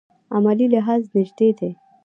عملي لحاظ نژدې دي.